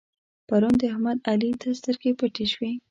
پرون د احمد؛ علي ته سترګې پټې شوې.